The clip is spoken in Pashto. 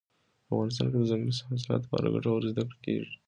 په افغانستان کې د ځنګلي حاصلاتو په اړه ګټورې زده کړې کېږي.